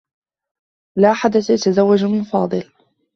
لا أحد سيتزوّج من فاضل.